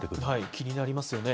気になりますよね。